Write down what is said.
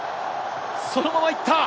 そのまま行った！